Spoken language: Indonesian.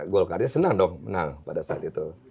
golkarnya senang dong menang pada saat itu